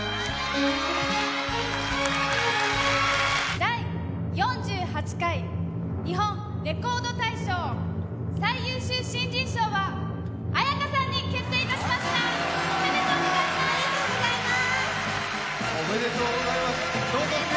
第４８回日本レコード大賞、最優秀新人賞は絢香さんに決定いたしました、おめでとうございます！